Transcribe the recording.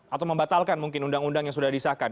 atau membatalkan mungkin undang undang yang sudah disahkan